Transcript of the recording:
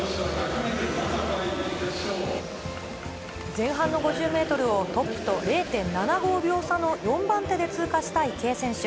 前半の５０メートルをトップと０．７５秒差の４番手で通過した池江選手。